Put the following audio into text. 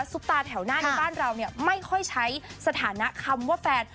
ตาแถวหน้าในบ้านเราเนี่ยไม่ค่อยใช้สถานะคำว่าแฟน